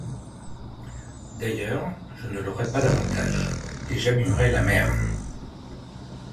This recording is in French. D’ailleurs, je ne l’aurais pas davantage, et j’abîmerais la mère.